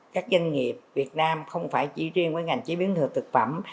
các doanh nghiệp việt nam không phải chỉ riêng với ngành chế biến thừa thực phẩm